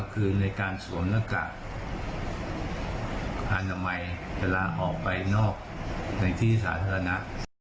คือในการสวนอากาศอาณาไมค์จะลางออกไปนอกในที่สาธารณะ